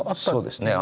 そうですね。